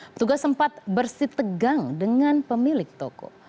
petugas sempat bersitegang dengan pemilik toko